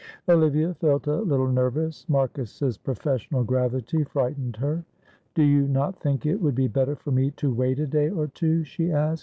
Olivia felt a little nervous. Marcus's professional gravity frightened her. "Do you not think it would be better for me to wait a day or two," she asked.